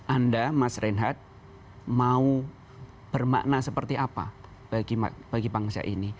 anda mas reinhardt mau bermakna seperti apa bagi bangsa ini